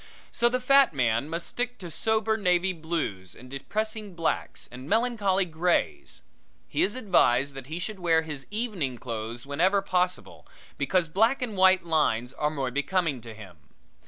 So the fat man must stick to sober navy blues and depressing blacks and melancholy grays. He is advised that he should wear his evening clothes whenever possible, because black and white lines are more becoming to him.